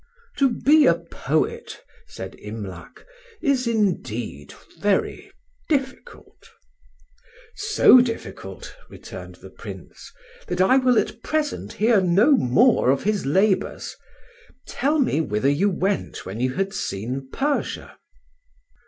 "To be a poet," said Imlac, "is indeed very difficult." "So difficult," returned the Prince, "that I will at present hear no more of his labours. Tell me whither you went when you had seen Persia."